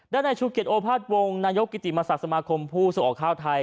ด้านในชูเขียนโอภาษณ์วงศ์นายกิจิมสักษมาคมผู้ส่งออกข้าวไทย